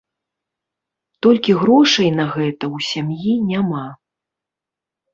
Толькі грошай на гэта ў сям'і няма.